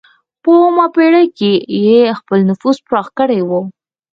په اوومه پېړۍ کې یې خپل نفوذ پراخ کړی و.